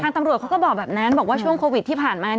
ตำรวจเขาก็บอกแบบนั้นบอกว่าช่วงโควิดที่ผ่านมา